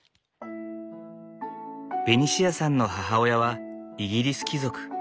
ベニシアさんの母親はイギリス貴族。